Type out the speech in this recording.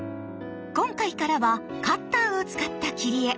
今回からはカッターを使った切り絵。